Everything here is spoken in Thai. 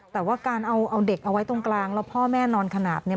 แต่ว่าการเอาเด็กเอาไว้ตรงกลางแล้วพ่อแม่นอนขนาดเนี่ย